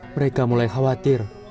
mereka mulai khawatir